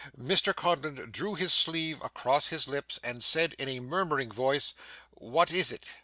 Mr Codlin drew his sleeve across his lips, and said in a murmuring voice, 'What is it?